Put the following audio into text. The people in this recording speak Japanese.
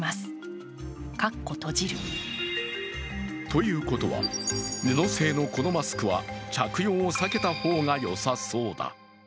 ということは、布製のこのマスクは着用を避けた方がよさそうだ。